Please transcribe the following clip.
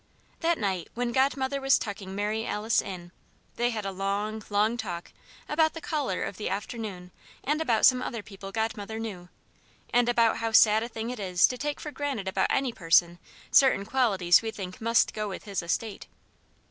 That night when Godmother was tucking Mary Alice in, they had a long, long talk about the caller of the afternoon and about some other people Godmother knew, and about how sad a thing it is to take for granted about any person certain qualities we think must go with his estate.